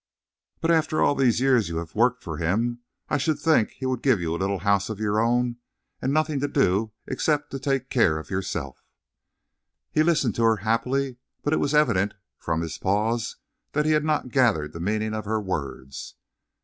"But after all these years you have worked for him, I should think he would give you a little house of your own, and nothing to do except take care of yourself." He listened to her happily, but it was evident from his pause that he had not gathered the meaning of her words.